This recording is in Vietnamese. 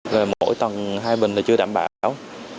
về mỗi tầng hai bình là chưa đảm bảo